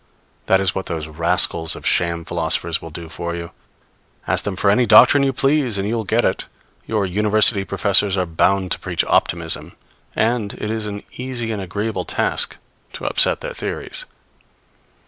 That is what those rascals of sham philosophers will do for you. Ask them for any doctrine you please, and you will get it. Your University professors are bound to preach optimism; and it is an easy and agreeable task to upset their theories.